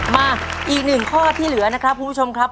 มาอีกหนึ่งข้อที่เหลือนะครับคุณผู้ชมครับ